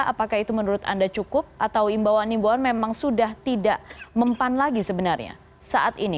apakah itu menurut anda cukup atau imbauan imbauan memang sudah tidak mempan lagi sebenarnya saat ini